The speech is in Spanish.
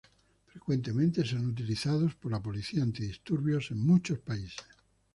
Frecuentemente son utilizados por la policía antidisturbios en muchos países.